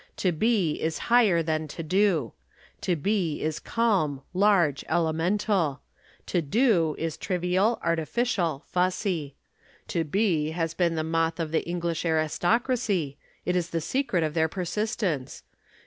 To be is higher than to do. To be is calm, large, elemental; to do is trivial, artificial, fussy. To be has been the moth of the English aristocracy, it is the secret of their persistence.